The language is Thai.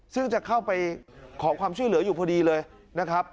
ซึ่งจะเข้าไปขอความช่วยเหลืออยู่พอดีเลยนะครับ